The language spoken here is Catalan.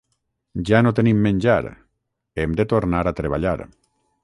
Ja no tenim menjar; hem de tornar a treballar